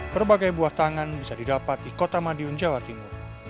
berbagai buah tangan bisa didapat di kota madiun jawa timur